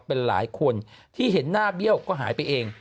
เป็นหลายคนที่เห็นหน้าเบี้ยวก็หายไปเอง